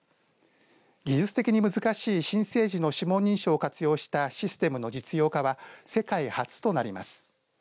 技術的に難しい新生児の指紋認証を活用したシステムの実用化は世界初となります。